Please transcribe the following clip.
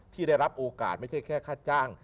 ที่ได้รับโอกาสไม่ใช่แค่ค่าจ้าง